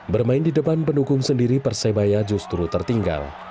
bermain di depan pendukung sendiri persebaya justru tertinggal